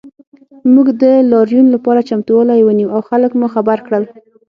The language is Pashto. موږ د لاریون لپاره چمتووالی ونیو او خلک مو خبر کړل